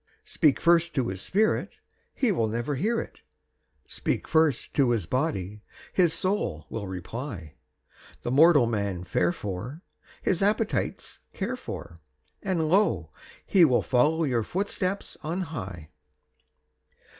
Speak first to his spirit, he never will hear it; Speak first to his body, his soul will reply; The mortal man fare for, his appetites care for, And lo! he will follow your footsteps on high.